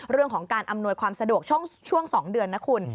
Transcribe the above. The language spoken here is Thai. เรื่องของการอำนวยความสะดวกช่วง๒เดือนนะคุณ